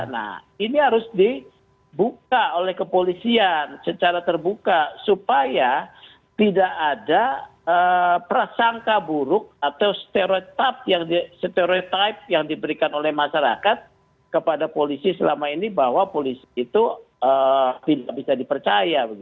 nah ini harus dibuka oleh kepolisian secara terbuka supaya tidak ada prasangka buruk atau stereotype yang diberikan oleh masyarakat kepada polisi selama ini bahwa polisi itu tidak bisa dipercaya